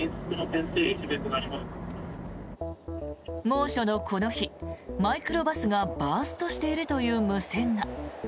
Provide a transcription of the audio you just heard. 猛暑のこの日マイクロバスがバーストしているという無線が。